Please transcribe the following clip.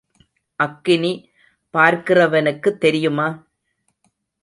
அக்கினி பார்க்கிறவனுக்குத் தெரியுமா?